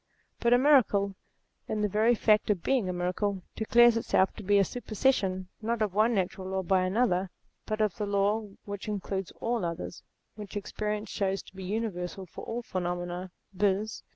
But a miracle, in the very fact of being a miracle, declares itself to be a super session not of one natural law by another, but of the law which includes all others, which experience shows to be universal for all phenomena, viz.